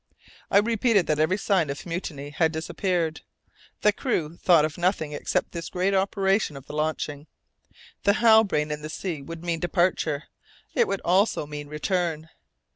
I repeat that every sign of mutiny had disappeared. The crew thought of nothing except this great operation of the launching. The Halbrane in the sea would mean departure, it would also mean return!